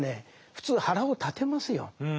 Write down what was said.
普通腹を立てますよ。